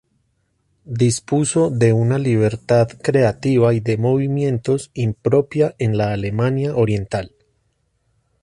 Dispuso de una libertad creativa y de movimientos impropia en Alemania Oriental.